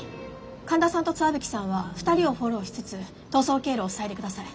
神田さんと石蕗さんは２人をフォローしつつ逃走経路を塞いで下さい。